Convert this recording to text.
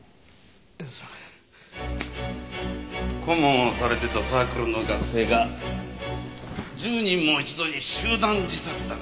顧問をされてたサークルの学生が１０人も一度に集団自殺だなんて。